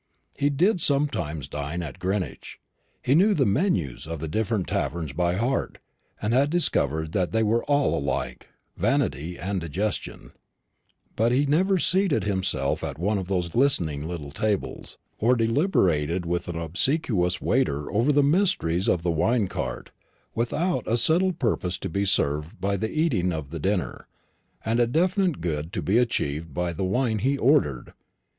He did sometimes dine at Greenwich. He knew the menus of the different taverns by heart, and had discovered that they were all alike vanity and indigestion; but he never seated himself at one of those glistening little tables, or deliberated with an obsequious waiter over the mysteries of the wine carte, without a settled purpose to be served by the eating of the dinner, and a definite good to be achieved by the wine he ordered.